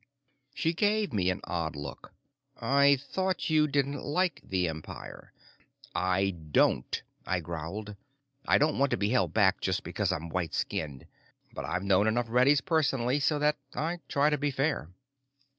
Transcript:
She gave me an odd look. "I thought you didn't like the Empire." "I don't," I growled. "I don't want to be held back just because I'm white skinned. But I've known enough reddies personally so that I try to be fair."